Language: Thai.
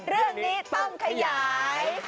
เรื่องนี้ต้องขยาย